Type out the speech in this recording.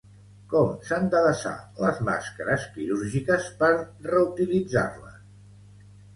Com s’han de desar les màscares quirúrgiques per reutilitzar-les?